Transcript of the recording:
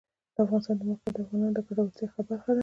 د افغانستان د موقعیت د افغانانو د ګټورتیا برخه ده.